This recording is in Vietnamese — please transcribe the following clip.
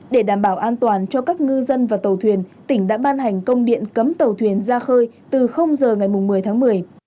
để đảm bảo an toàn cho các ngư dân và tàu thuyền tỉnh đã ban hành công điện cấm tàu thuyền ra khơi từ giờ ngày một mươi tháng một mươi